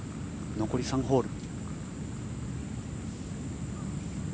残り３ホール。